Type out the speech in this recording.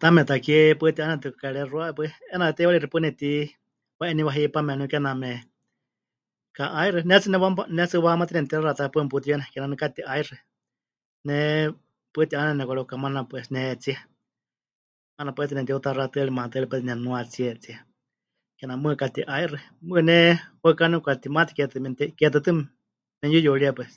Taame takie paɨ ti'ánenetɨ pɨkarexuawe paɨ 'i, 'eena teiwarixi paɨ nepɨtiwa'eniwa hipame waaníu kename ka'aixɨ, ne tsɨ nemɨwa... wahamatɨa nemɨtixaxatá paɨ meputiyuane, kename waníu kati'aixɨ. Ne paɨ ti'áneneme nepɨkareukamana pues, nehetsíe. 'Aana pai tɨ nemɨtiutaxatɨ́arie, maatɨari pai tɨ nemɨnuatsie, kename mɨɨkɨ kati'aixɨ. Mɨɨkɨ ne waɨká nepɨkatimate ke tɨtɨ memɨte... ke tɨtɨ memɨyuyuríe pues.